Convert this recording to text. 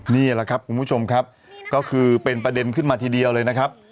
นี่แหละครับคุณผู้ชมครับก็คือเป็นประเด็นขึ้นมาทีเดียวเลยนะครับ